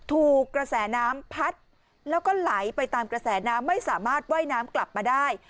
ถูกกระแสน้ำพัดแล้วก็หลายไปตามกระแสน้ำก็อย่างงามไม่สามารถไว้น้ำกลับมาได้